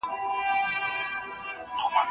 باید د پوهنې د وروسته پاتېوالي علتونه وڅېړل سي.